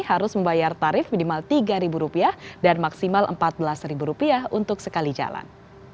harus membayar tarif minimal rp tiga dan maksimal rp empat belas untuk sekali jalan